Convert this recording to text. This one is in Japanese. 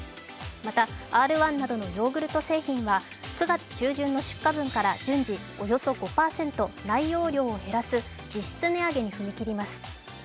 また、Ｒ−１などのヨーグルト製品は９月中旬の出荷分から順次、およそ５％内容量を減らす実質値上げに踏み切ります。